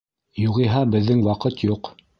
Юғиһә беҙҙең ваҡыт юҡ.